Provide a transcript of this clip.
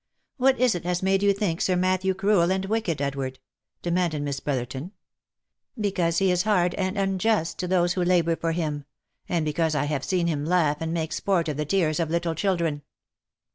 " What is it has made you think Sir Matthew cruel and wicked, Ed ward ?" demanded Miss Brotherton. " Because he is hard and unjust to those who labour for him — and because I have seen him laugh and make sport of the tears of little children."